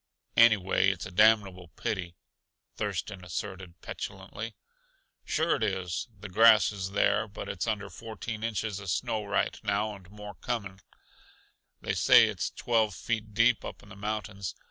"Anyway, it's a damnable pity!" Thurston asserted petulantly. "Sure it is. The grass is there, but it's under fourteen inches uh snow right now, and more coming; they say it's twelve feet deep up in the mountains.